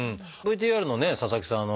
ＶＴＲのね佐々木さん